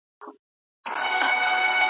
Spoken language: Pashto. ښايي پر غوږونو به ښه ولګیږي`